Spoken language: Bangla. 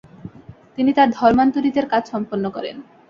তিনি তার ধর্মান্তরিতের কাজ সম্পন্ন করেন।